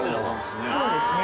そうですね。